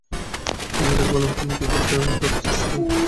স্ত্রীকে বললাম, তুমি কিছু একটা ধরার চেষ্টা করো, আমি নুহাকে ধরে রাখছি।